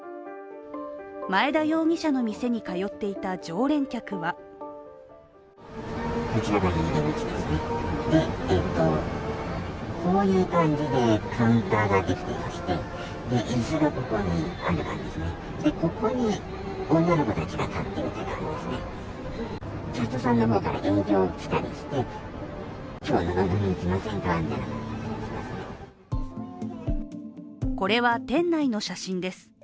前田容疑者の店に通っていた常連客はこれは店内の写真です。